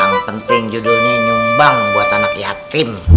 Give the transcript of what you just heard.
yang penting judulnya nyumbang buat anak yatim